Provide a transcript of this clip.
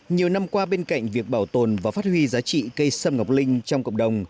nhiều năm qua bên cạnh việc bảo tồn và phát huy giá trị cây sâm ngọc linh trong cộng đồng